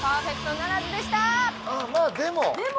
まあでも。